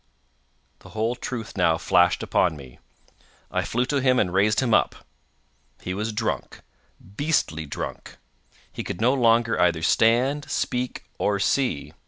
The whole truth now flashed upon me. I flew to him and raised him up. He was drunk—beastly drunk—he could no longer either stand, speak, or see.